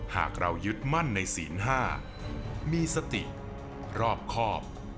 หากเรายึดมั่นในศีล๕มีสติรอบครอบ